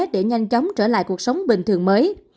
để nhanh chóng trở lại cuộc sống bình thường mới